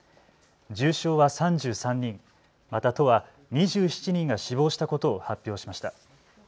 重症は３３人また都は２７人が死亡したことを発表しました。